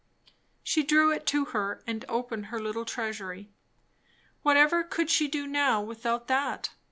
She drew it to her and opened her little "Treasury." What ever could she do now without that?